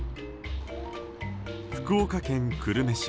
福岡県久留米市